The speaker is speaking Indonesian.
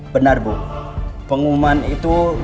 benar bu pengumuman itu